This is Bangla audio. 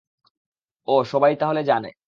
ও, সবাই তাহলে জানে।